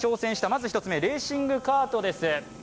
まず１つ目、レーシングカートです。